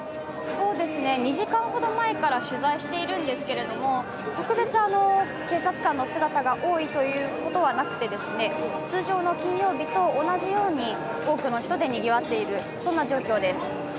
２時間ほど前から取材しているんですけれども、特別警察官の姿が多いということはなくて、通常の金曜日と同じように多くの人でにぎわっている状況です